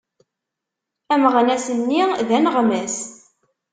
Ameɣnas-nni d aneɣmas.